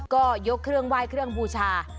ก็ยกเครื่องไหว้เครื่องบูชา